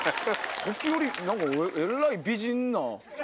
時折えらい美人な。